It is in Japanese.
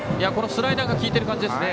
スライダーが効いている感じですね。